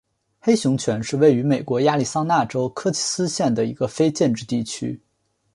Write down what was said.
黑熊泉是位于美国亚利桑那州科奇斯县的一个非建制地区。